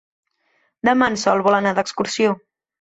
Demà en Sol vol anar d'excursió.